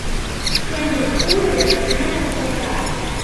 Шкендым ужде, чонем когарга.